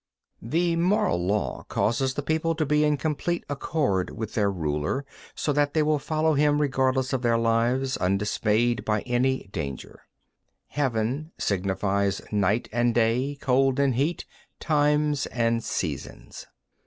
5, 6. The Moral Law causes the people to be in complete accord with their ruler, so that they will follow him regardless of their lives, undismayed by any danger. 7. Heaven signifies night and day, cold and heat, times and seasons.